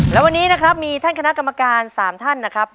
และวันนี้นะครับมีท่านคณะกรรมการ๓ท่านนะครับ